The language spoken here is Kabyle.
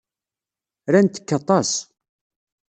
Rant-k aṭas.